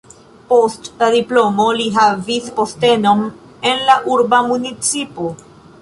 Post la diplomo li havis postenon en la urba municipo.